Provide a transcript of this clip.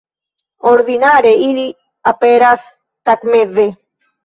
Ordinare ili aperas tagmeze.